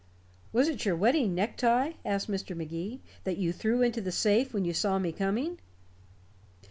"Was it your wedding necktie," asked Mr. Magee, "that you threw into the safe when you saw me coming?"